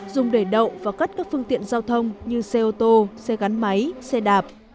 dùng để đậu và cắt các phương tiện giao thông như xe ô tô xe gắn máy xe đạp